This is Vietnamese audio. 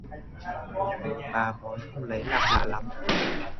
Bà bói không lấy làm lạ lắm